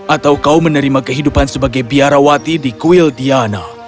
atau kau menerima kehidupan sebagai biarawati di kuil diana